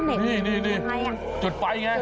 นี่จุดไฟไง